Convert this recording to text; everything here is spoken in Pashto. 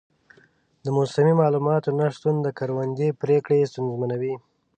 د موسمي معلوماتو نه شتون د کروندې پریکړې ستونزمنوي.